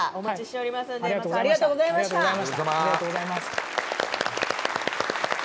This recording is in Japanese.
ありがとうございます。